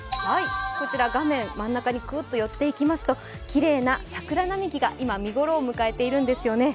こちら、画面真ん中にグッと寄っていきますと、きれいな桜並木が今、見頃を迎えているんですよね。